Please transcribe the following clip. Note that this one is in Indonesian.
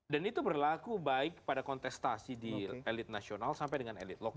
dan itu berlaku baik pada kontestasi di elit nasional sampai dengan elit lokal